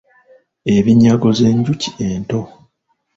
Ebinyago ze njuki ento.